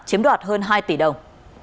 chiếm đoạt hơn hai tỷ đồng